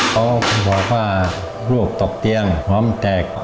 เขาบอกว่ารูบตกเตียงหว่ำแตก